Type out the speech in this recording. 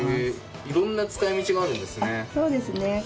いろんな使い道があるんですね。